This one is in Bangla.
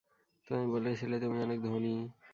তুমি বলেছিলে তুমি অনেক ধনী!